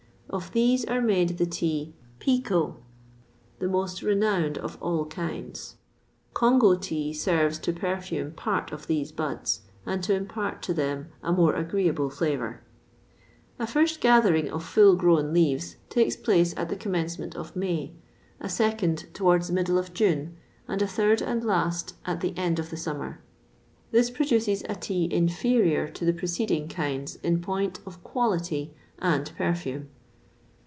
Of these are made the tea Pé ko, the most renowned of all kinds. Congo tea serves to perfume part of these buds, and to impart to them a more agreeable flavour. A first gathering of full grown leaves takes place at the commencement of May, a second towards the middle of June, and a third and last at the end of the summer. This produces a tea inferior to the preceding kinds in point of quality and perfume.